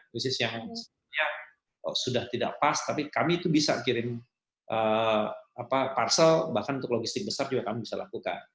krisis yang sebenarnya sudah tidak pas tapi kami itu bisa kirim parsel bahkan untuk logistik besar juga kami bisa lakukan